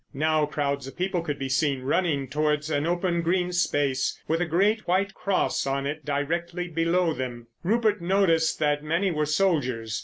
Now crowds of people could be seen running towards an open green space with a great white cross on it, directly below them. Rupert noticed that many were soldiers.